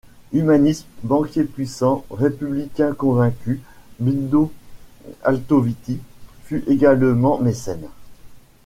Humaniste, banquier puissant, républicain convaincu, Bindo Altoviti fut également mécène.